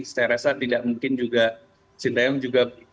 saya rasa tidak mungkin juga sinteyong juga